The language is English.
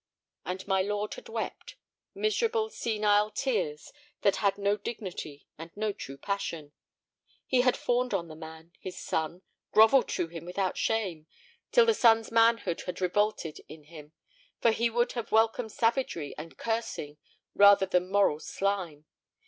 And my lord had wept—miserable, senile tears that had no dignity and no true passion. He had fawned on the man, his son, grovelled to him without shame, till the son's manhood had revolted in him, for he would have welcomed savagery and cursing rather than moral slime.